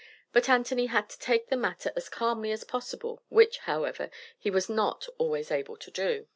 But Anthony had to take the matter as calmly as possible, which, however, he was not always able to do.